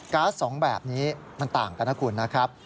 ๊าซสองแบบนี้มันต่างกันนะคุณนะครับ